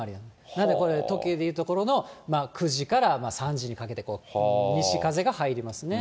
なのでこれ、時計でいうところの９時から３時にかけて、西風が入りますね。